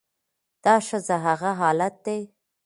دا ښځه هغه حالت دى